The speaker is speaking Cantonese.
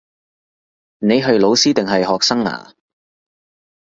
你係老師定係學生呀